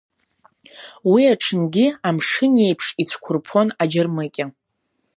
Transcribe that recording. Уи аҽынгьы амшын еиԥш ицәқәырԥон аџьармыкьа.